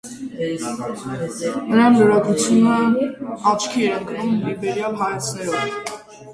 Նրա լրագրությունը աչքի էր ընկնում լիբերալ հայացքներով։